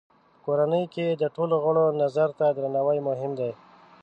په کورنۍ کې د ټولو غړو نظر ته درناوی مهم دی.